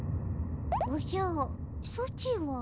おじゃソチは。